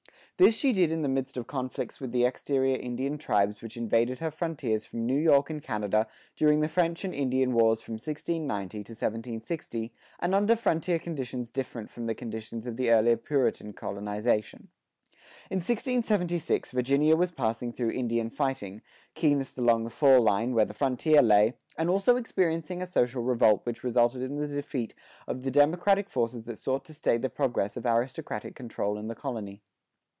This she did in the midst of conflicts with the exterior Indian tribes which invaded her frontiers from New York and Canada during the French and Indian wars from 1690 to 1760, and under frontier conditions different from the conditions of the earlier Puritan colonization. In 1676, Virginia was passing through Indian fighting keenest along the fall line, where the frontier lay and also experiencing a social revolt which resulted in the defeat of the democratic forces that sought to stay the progress of aristocratic control in the colony.